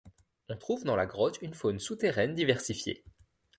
On trouve dans la grotte une faune souterraine diversifiée.